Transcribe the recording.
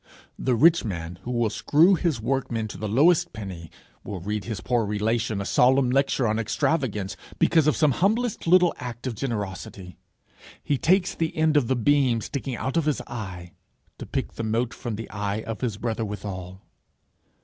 The rich man who will screw his workmen to the lowest penny, will read his poor relation a solemn lecture on extravagance, because of some humblest little act of generosity! He takes the end of the beam sticking out of his eye to pick the mote from the eye of his brother withal!